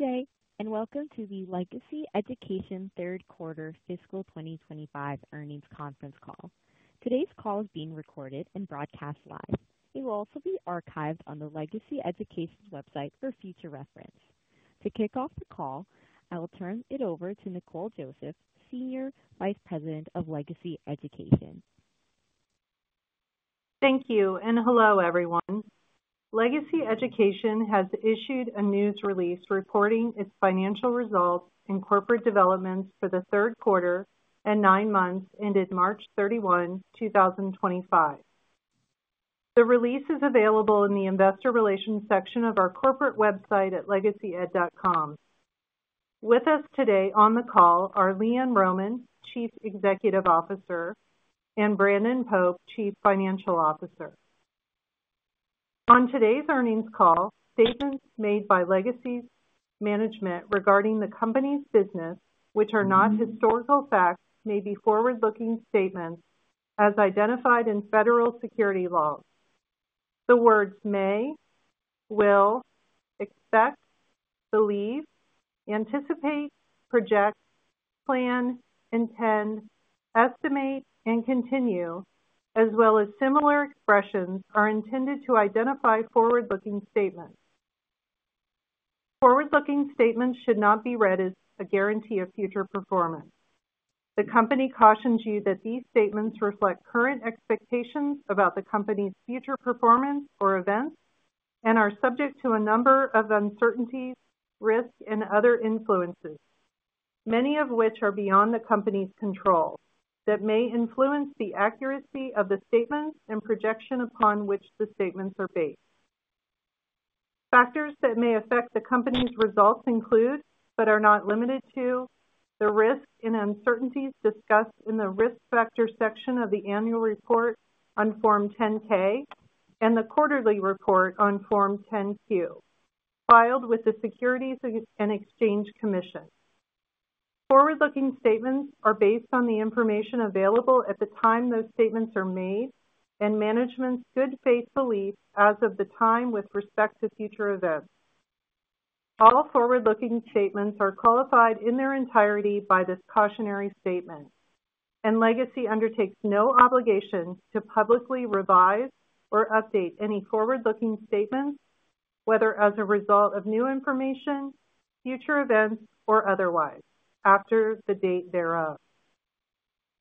Good day, and welcome to the Legacy Education Third Quarter Fiscal 2025 Earnings Conference Call. Today's call is being recorded and broadcast live. It will also be archived on the Legacy Education website for future reference. To kick off the call, I will turn it over to Nicole Joseph, Senior Vice President of Legacy Education. Thank you, and hello everyone. Legacy Education has issued a news release reporting its financial results and corporate developments for the third quarter and nine months ended March 31, 2025. The release is available in the Investor Relations section of our corporate website at legacyed.com. With us today on the call are LeeAnn Rohmann, Chief Executive Officer, and Brandon Pope, Chief Financial Officer. On today's earnings call, statements made by Legacy Management regarding the company's business, which are not historical facts, may be forward-looking statements as identified in federal security laws. The words may, will, expect, believe, anticipate, project, plan, intend, estimate, and continue, as well as similar expressions, are intended to identify forward-looking statements. Forward-looking statements should not be read as a guarantee of future performance. The company cautions you that these statements reflect current expectations about the company's future performance or events and are subject to a number of uncertainties, risks, and other influences, many of which are beyond the company's control, that may influence the accuracy of the statements and projection upon which the statements are based. Factors that may affect the company's results include, but are not limited to, the risks and uncertainties discussed in the risk factor section of the annual report on Form 10-K and the quarterly report on Form 10-Q, filed with the Securities and Exchange Commission. Forward-looking statements are based on the information available at the time those statements are made and management's good faith beliefs as of the time with respect to future events. All forward-looking statements are qualified in their entirety by this cautionary statement, and Legacy undertakes no obligation to publicly revise or update any forward-looking statements, whether as a result of new information, future events, or otherwise, after the date thereof.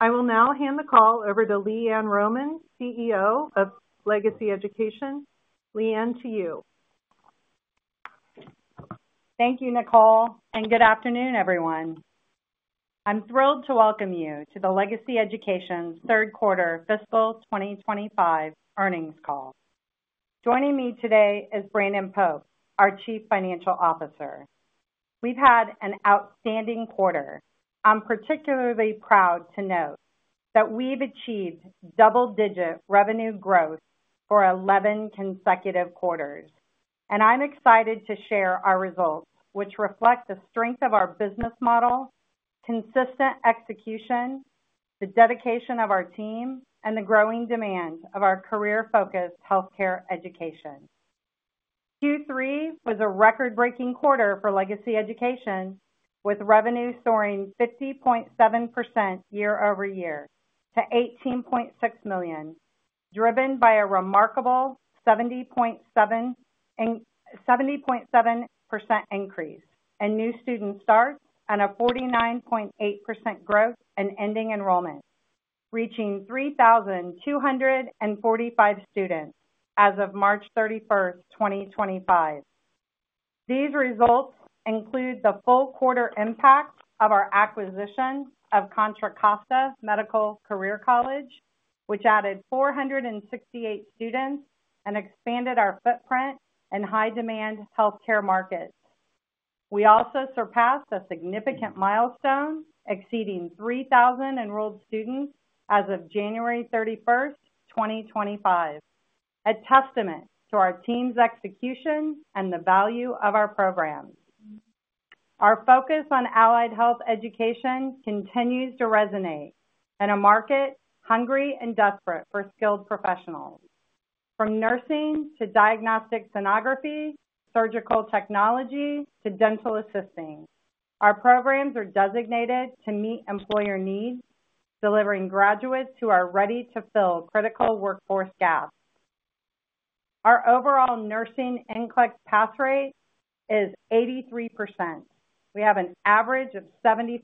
I will now hand the call over to LeeAnn Rohmann, CEO of Legacy Education. LeeAnn, to you. Thank you, Nicole, and good afternoon, everyone. I'm thrilled to welcome you to the Legacy Education Third Quarter Fiscal 2025 Earnings Call. Joining me today is Brandon Pope, our Chief Financial Officer. We've had an outstanding quarter. I'm particularly proud to note that we've achieved double-digit revenue growth for 11 consecutive quarters, and I'm excited to share our results, which reflect the strength of our business model, consistent execution, the dedication of our team, and the growing demand of our career-focused healthcare education. Q3 was a record-breaking quarter for Legacy Education, with revenue soaring 50.7% year-over-year to $18.6 million, driven by a remarkable 70.7% increase in new student starts and a 49.8% growth in ending enrollment, reaching 3,245 students as of March 31, 2025. These results include the full quarter impact of our acquisition of Contra Costa Medical Career College, which added 468 students and expanded our footprint in high-demand healthcare markets. We also surpassed a significant milestone, exceeding 3,000 enrolled students as of January 31, 2025, a testament to our team's execution and the value of our programs. Our focus on allied health education continues to resonate in a market hungry and desperate for skilled professionals. From nursing to diagnostic sonography, surgical technology, to dental assisting, our programs are designated to meet employer needs, delivering graduates who are ready to fill critical workforce gaps. Our overall nursing NCLEX pass rate is 83%. We have an average of 75%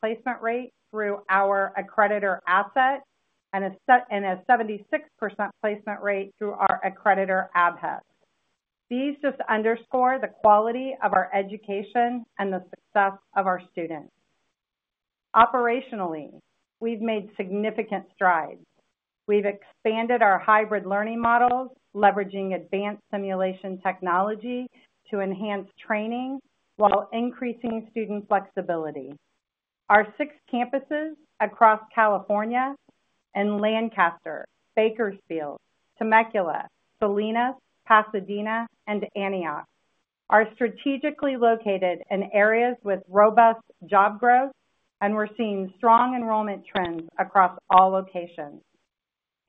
placement rate through our accreditor asset and a 76% placement rate through our accreditor ABHES. These just underscore the quality of our education and the success of our students. Operationally, we've made significant strides. We've expanded our hybrid learning models, leveraging advanced simulation technology to enhance training while increasing student flexibility. Our six campuses across California in Lancaster, Bakersfield, Temecula, Salinas, Pasadena, and Antioch are strategically located in areas with robust job growth, and we're seeing strong enrollment trends across all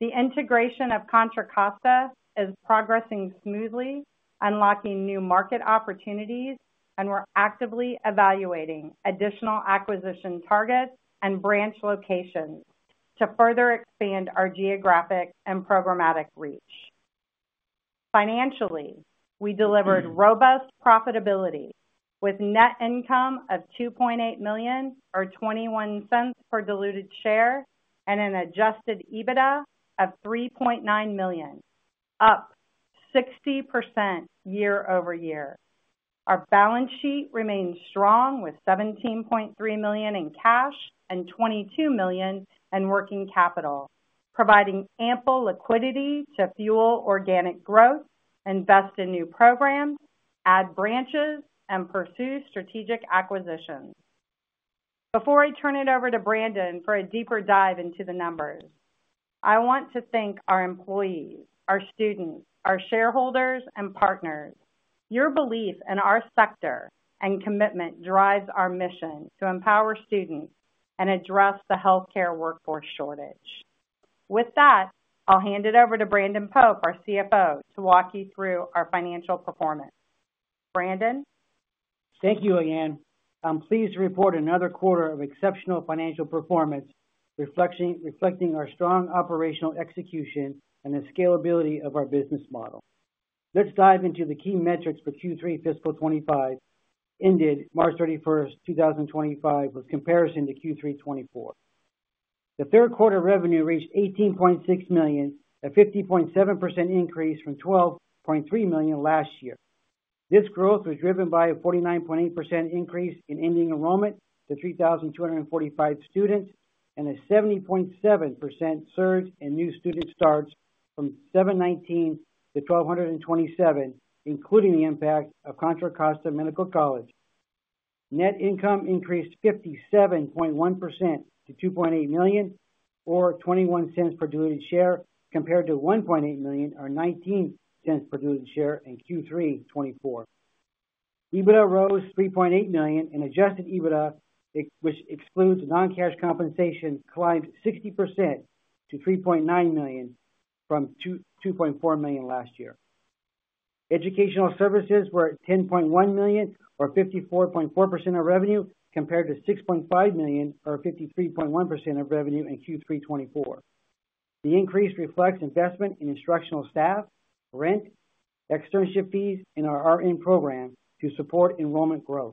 locations. The integration of Contra Costa is progressing smoothly, unlocking new market opportunities, and we're actively evaluating additional acquisition targets and branch locations to further expand our geographic and programmatic reach. Financially, we delivered robust profitability with net income of $2.8 million, or $0.21 per diluted share, and an adjusted EBITDA of $3.9 million, up 60% year-over-year. Our balance sheet remains strong with $17.3 million in cash and $22 million in working capital, providing ample liquidity to fuel organic growth, invest in new programs, add branches, and pursue strategic acquisitions. Before I turn it over to Brandon for a deeper dive into the numbers, I want to thank our employees, our students, our shareholders, and partners. Your belief in our sector and commitment drives our mission to empower students and address the healthcare workforce shortage. With that, I'll hand it over to Brandon Pope, our CFO, to walk you through our financial performance. Brandon. Thank you, LeeAnn. I'm pleased to report another quarter of exceptional financial performance, reflecting our strong operational execution and the scalability of our business model. Let's dive into the key metrics for Q3 Fiscal 2025 ended March 31, 2025, with comparison to Q3 2024. The third quarter revenue reached $18.6 million, a 50.7% increase from $12.3 million last year. This growth was driven by a 49.8% increase in ending enrollment to 3,245 students and a 70.7% surge in new student starts from 719-1,227, including the impact of Contra Costa Medical Career College. Net income increased 57.1% to $2.8 million, or $0.21 per diluted share, compared to $1.8 million, or $0.19 per diluted share in Q3 2024. EBITDA rose $3.8 million, and adjusted EBITDA, which excludes non-cash compensation, climbed 60% to $3.9 million from $2.4 million last year. Educational services were at $10.1 million, or 54.4% of revenue, compared to $6.5 million, or 53.1% of revenue in Q3 2024. The increase reflects investment in instructional staff, rent, externship fees, and our RN program to support enrollment growth.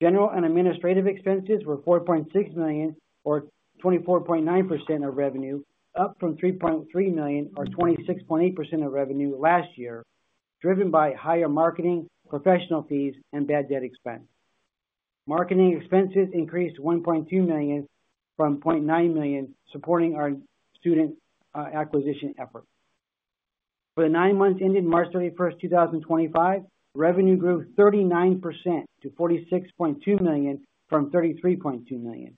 General and administrative expenses were $4.6 million, or 24.9% of revenue, up from $3.3 million, or 26.8% of revenue last year, driven by higher marketing, professional fees, and bad debt expense. Marketing expenses increased to $1.2 million from $0.9 million, supporting our student acquisition efforts. For the nine months ended March 31, 2025, revenue grew 39% to $46.2 million from $33.2 million.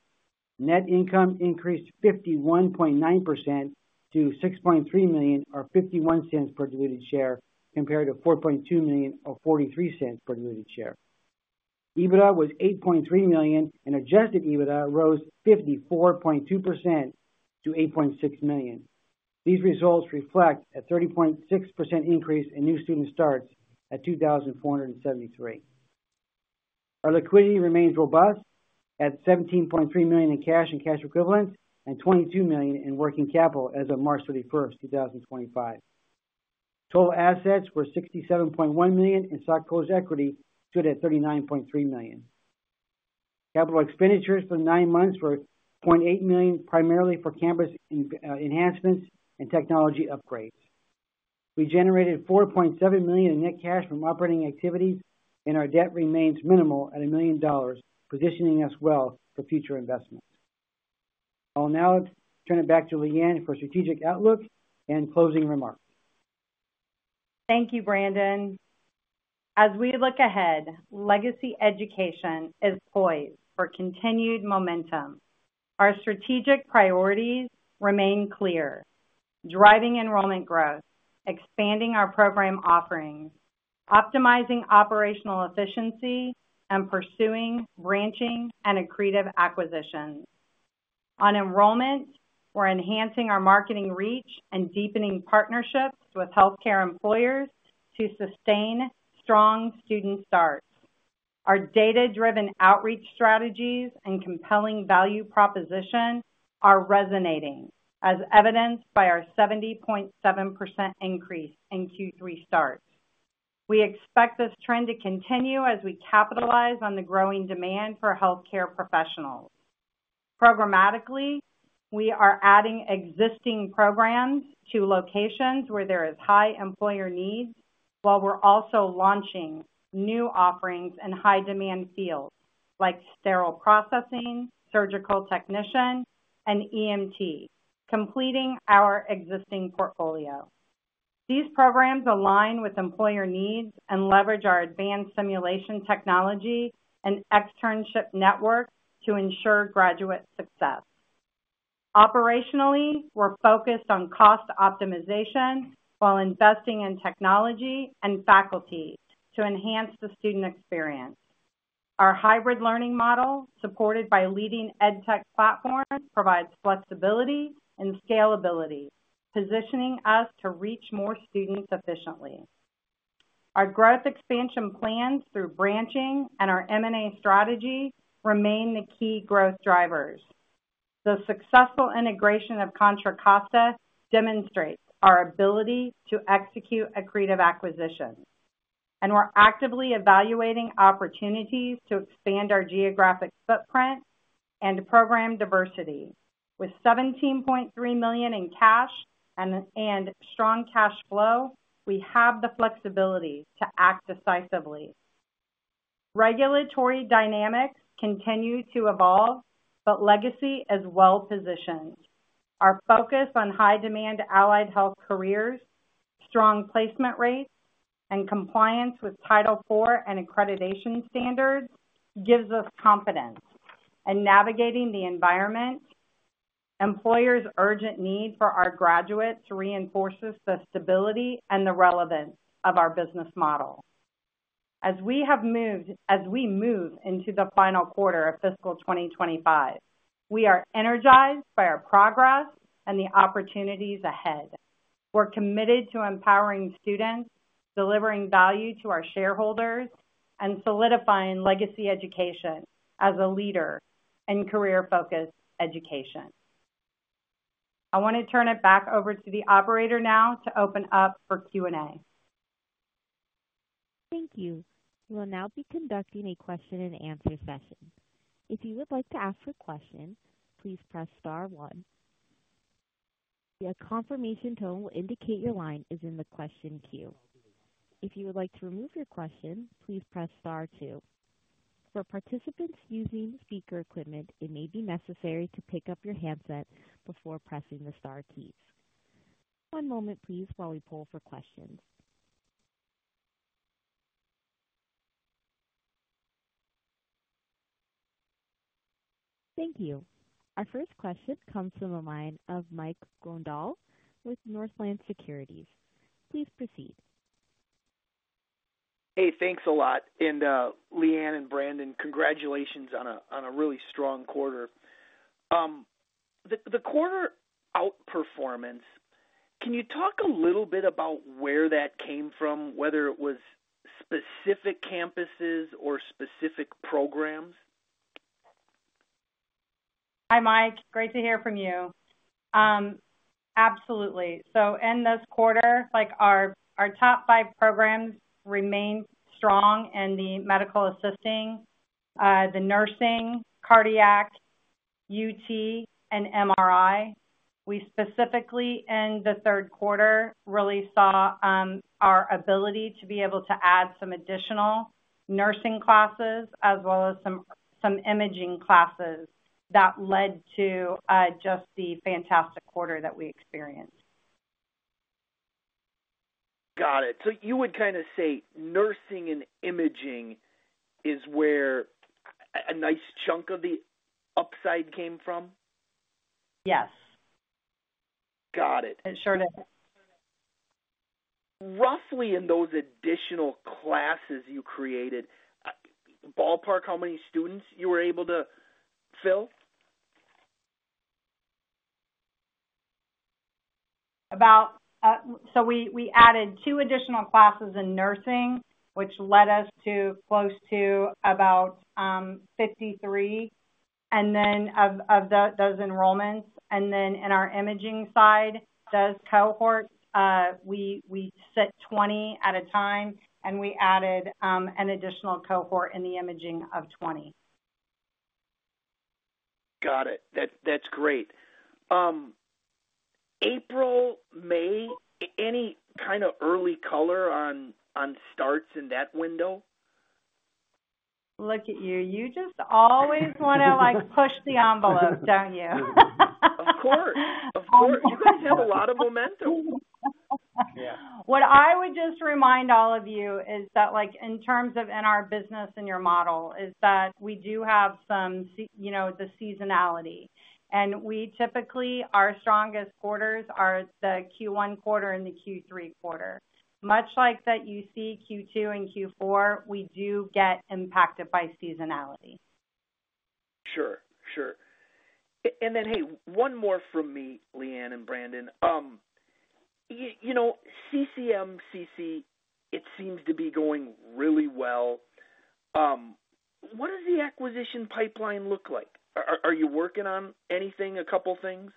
Net income increased 51.9% to $6.3 million, or $0.51 per diluted share, compared to $4.2 million, or $0.43 per diluted share. EBITDA was $8.3 million, and adjusted EBITDA rose 54.2% to $8.6 million. These results reflect a 30.6% increase in new student starts at 2,473. Our liquidity remains robust at $17.3 million in cash and cash equivalents and $22 million in working capital as of March 31, 2025. Total assets were $67.1 million, and stockholders' equity stood at $39.3 million. Capital expenditures for the nine months were $0.8 million, primarily for campus enhancements and technology upgrades. We generated $4.7 million in net cash from operating activities, and our debt remains minimal at $1 million, positioning us well for future investments. I'll now turn it back to LeeAnn for a strategic outlook and closing remarks. Thank you, Brandon. As we look ahead, Legacy Education is poised for continued momentum. Our strategic priorities remain clear: driving enrollment growth, expanding our program offerings, optimizing operational efficiency, and pursuing branching and accretive acquisitions. On enrollment, we're enhancing our marketing reach and deepening partnerships with healthcare employers to sustain strong student starts. Our data-driven outreach strategies and compelling value proposition are resonating, as evidenced by our 70.7% increase in Q3 starts. We expect this trend to continue as we capitalize on the growing demand for healthcare professionals. Programmatically, we are adding existing programs to locations where there are high employer needs, while we're also launching new offerings in high-demand fields like sterile processing, surgical technician, and EMT, completing our existing portfolio. These programs align with employer needs and leverage our advanced simulation technology and externship network to ensure graduate success. Operationally, we're focused on cost optimization while investing in technology and faculty to enhance the student experience. Our hybrid learning model, supported by leading EdTech platforms, provides flexibility and scalability, positioning us to reach more students efficiently. Our growth expansion plans through branching and our M&A strategy remain the key growth drivers. The successful integration of Contra Costa Medical Career College demonstrates our ability to execute accretive acquisitions, and we're actively evaluating opportunities to expand our geographic footprint and program diversity. With $17.3 million in cash and strong cash flow, we have the flexibility to act decisively. Regulatory dynamics continue to evolve, but Legacy Education is well positioned. Our focus on high-demand allied health careers, strong placement rates, and compliance with Title IV and accreditation standards gives us confidence in navigating the environment. Employers' urgent need for our graduates reinforces the stability and the relevance of our business model. As we move into the final quarter of Fiscal 2025, we are energized by our progress and the opportunities ahead. We're committed to empowering students, delivering value to our shareholders, and solidifying Legacy Education as a leader in career-focused education. I want to turn it back over to the operator now to open up for Q&A. Thank you. We will now be conducting a question-and-answer session. If you would like to ask a question, please press star one. A confirmation tone will indicate your line is in the question queue. If you would like to remove your question, please press star two. For participants using speaker equipment, it may be necessary to pick up your handset before pressing the star keys. One moment, please, while we pull for questions. Thank you. Our first question comes from a line of Mike Grondahlwith Northland Securities. Please proceed. Hey, thanks a lot. LeeAnn and Brandon, congratulations on a really strong quarter. The quarter outperformance, can you talk a little bit about where that came from, whether it was specific campuses or specific programs? Hi, Mike. Great to hear from you. Absolutely. In this quarter, our top five programs remain strong in the medical assisting, the nursing, cardiac, UT, and MRI. We specifically, in the third quarter, really saw our ability to be able to add some additional nursing classes as well as some imaging classes that led to just the fantastic quarter that we experienced. Got it. So you would kind of say nursing and imaging is where a nice chunk of the upside came from? Yes. Got it. It sure did. Roughly, in those additional classes you created, ballpark how many students you were able to fill? We added two additional classes in nursing, which led us to close to about 53 of those enrollments. In our imaging side, those cohorts, we sit 20 at a time, and we added an additional cohort in the imaging of 20. Got it. That's great. April, May, any kind of early color on starts in that window? Look at you. You just always want to push the envelope, don't you? Of course. You guys have a lot of momentum. Yeah. What I would just remind all of you is that in terms of in our business and your model, is that we do have the seasonality. Typically, our strongest quarters are the Q1 quarter and the Q3 quarter. Much like that you see Q2 and Q4, we do get impacted by seasonality. Sure. Sure. And then, hey, one more from me, LeeAnn and Brandon. CCMCC, it seems to be going really well. What does the acquisition pipeline look like? Are you working on anything, a couple of things?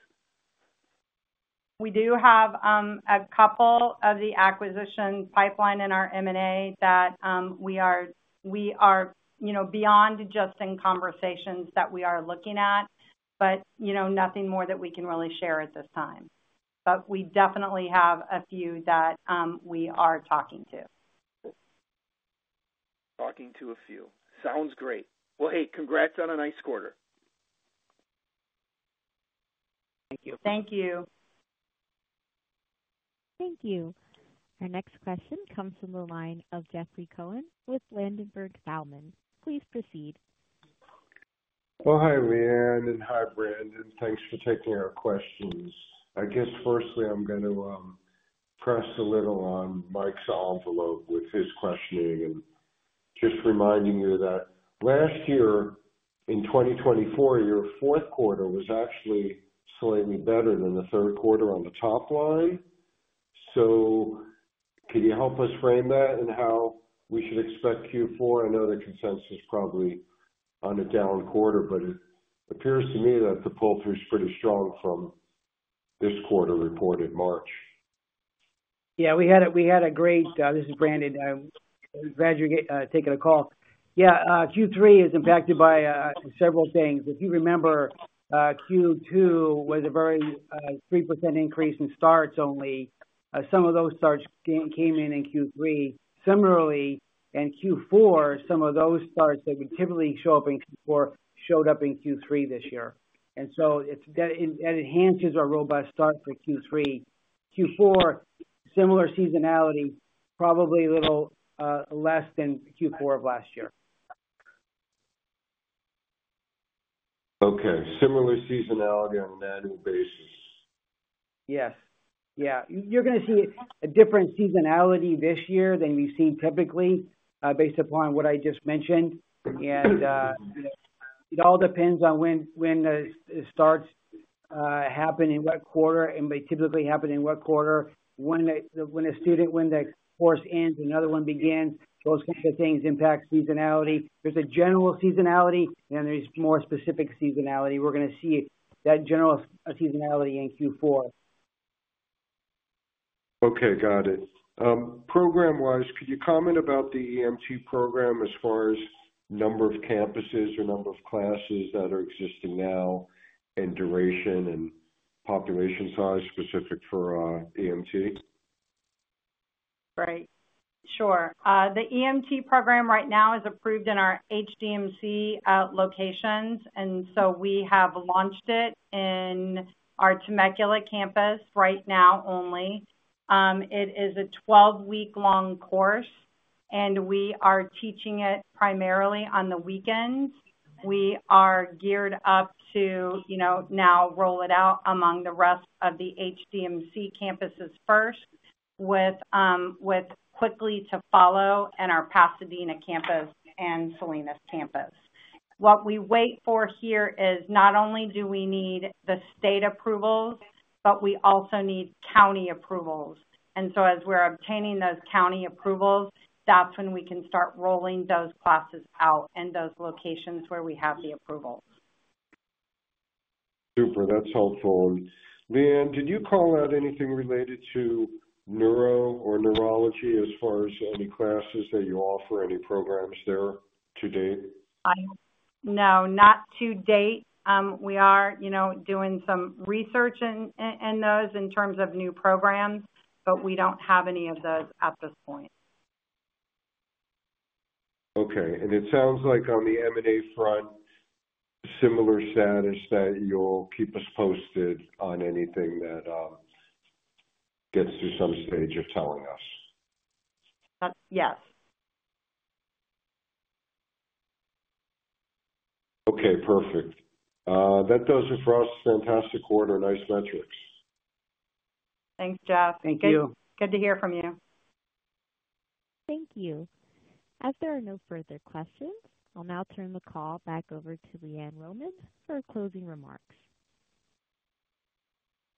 We do have a couple of the acquisition pipeline in our M&A that we are beyond just in conversations that we are looking at, but nothing more that we can really share at this time. We definitely have a few that we are talking to. Talking to a few. Sounds great. Hey, congrats on a nice quarter. Thank you. Thank you. Thank you. Our next question comes from the line of Jeffrey Cohen with Ladenburg Thalmann. Please proceed. Hi, LeeAnn, and hi, Brandon. Thanks for taking our questions. I guess, firstly, I'm going to press a little on Mike's envelope with his questioning and just reminding you that last year, in 2024, your fourth quarter was actually slightly better than the third quarter on the top line. Can you help us frame that and how we should expect Q4? I know the consensus is probably on a down quarter, but it appears to me that the pull-through is pretty strong from this quarter reported March. Yeah. We had a great—this is Brandon. Glad you're taking the call. Yeah. Q3 is impacted by several things. If you remember, Q2 was a very 3% increase in starts only. Some of those starts came in in Q3. Similarly, in Q4, some of those starts that would typically show up in Q4 showed up in Q3 this year. That enhances our robust start for Q3. Q4, similar seasonality, probably a little less than Q4 of last year. Okay. Similar seasonality on an annual basis. Yeah. You're going to see a different seasonality this year than we've seen typically based upon what I just mentioned. It all depends on when starts happen in what quarter, and they typically happen in what quarter. When a course ends, another one begins, those kinds of things impact seasonality. There's a general seasonality, and then there's more specific seasonality. We're going to see that general seasonality in Q4. Okay. Got it. Program-wise, could you comment about the EMT program as far as number of campuses or number of classes that are existing now and duration and population size specific for EMT? Right. Sure. The EMT program right now is approved in our High Desert Medical College locations, and we have launched it in our Temecula campus right now only. It is a 12-week-long course, and we are teaching it primarily on the weekends. We are geared up to now roll it out among the rest of the High Desert Medical College campuses first with quickly to follow in our Pasadena campus and Salinas campus. What we wait for here is not only do we need the state approvals, but we also need county approvals. As we are obtaining those county approvals, that is when we can start rolling those classes out in those locations where we have the approvals. Super. That's helpful. LeeAnn, did you call out anything related to neuro or neurology as far as any classes that you offer, any programs there to date? No. Not to date. We are doing some research in those in terms of new programs, but we don't have any of those at this point. Okay. It sounds like on the M&A front, similar status that you'll keep us posted on anything that gets to some stage of telling us. Yes. Okay. Perfect. That does it for us. Fantastic quarter. Nice metrics. Thanks, Jeff. Thank you. Good to hear from you. Thank you. As there are no further questions, I'll now turn the call back over to LeeAnn Rohmann for closing remarks.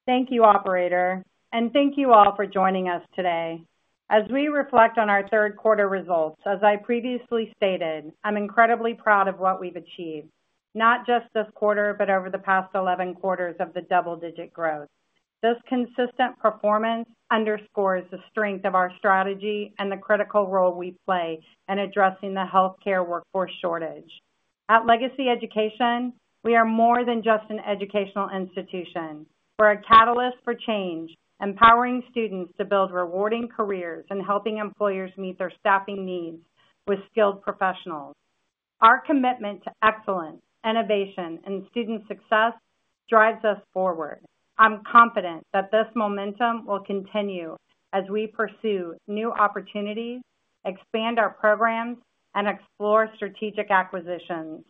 Thank you, Operator. Thank you all for joining us today. As we reflect on our third quarter results, as I previously stated, I'm incredibly proud of what we've achieved, not just this quarter, but over the past 11 quarters of the double-digit growth. This consistent performance underscores the strength of our strategy and the critical role we play in addressing the healthcare workforce shortage. At Legacy Education, we are more than just an educational institution. We're a catalyst for change, empowering students to build rewarding careers and helping employers meet their staffing needs with skilled professionals. Our commitment to excellence, innovation, and student success drives us forward. I'm confident that this momentum will continue as we pursue new opportunities, expand our programs, and explore strategic acquisitions.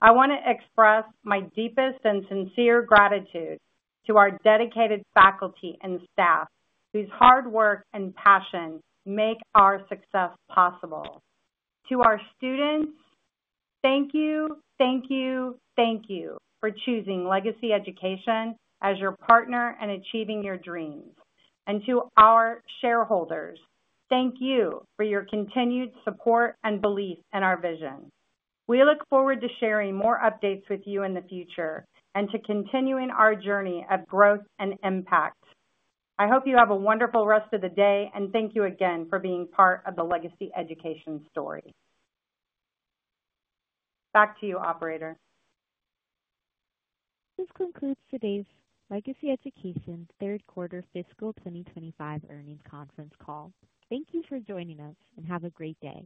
I want to express my deepest and sincere gratitude to our dedicated faculty and staff whose hard work and passion make our success possible. To our students, thank you, thank you, thank you for choosing Legacy Education as your partner in achieving your dreams. To our shareholders, thank you for your continued support and belief in our vision. We look forward to sharing more updates with you in the future and to continuing our journey of growth and impact. I hope you have a wonderful rest of the day, and thank you again for being part of the Legacy Education story. Back to you, Operator. This concludes today's Legacy Education Third Quarter Fiscal 2025 Earnings Conference Call. Thank you for joining us, and have a great day.